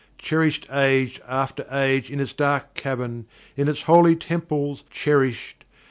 Cherished age after age in its dark cavern in its holy temples cherished.